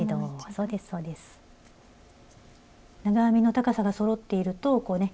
長編みの高さがそろっているとこうね